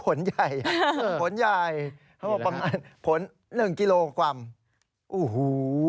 ผลใหญ่ผลหนึ่งกิโลกว่ามโอ้โฮ